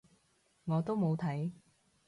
我都冇睇